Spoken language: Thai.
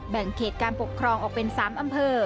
แบ่งเขตการปกครองออกเป็น๓อำเภอ